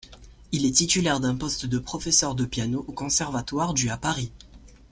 Il est titulaire d'un poste de professeur de piano au conservatoire du à Paris.